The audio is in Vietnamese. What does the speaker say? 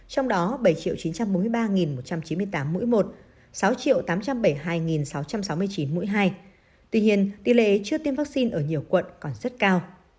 trong đó bảy chín trăm bốn mươi ba một trăm chín mươi tám mũi một sáu tám trăm bảy mươi hai sáu trăm sáu mươi chín mũi hai tuy nhiên tỷ lệ chưa tiêm vaccine ở nhiều quận còn rất cao